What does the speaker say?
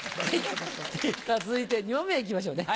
続いて２問目行きましょうね。